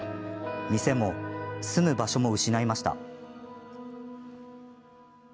店も住む場所も失いました。